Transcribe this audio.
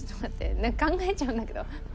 なんか考えちゃうんだけど。